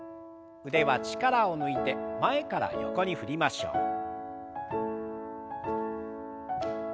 腕は力を抜いて前から横に振りましょう。